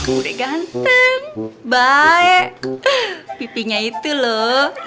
mude ganteng baik pipinya itu loh